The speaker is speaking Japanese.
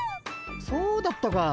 そうだったか。